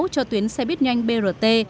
cho tuyến xe buýt nhanh brt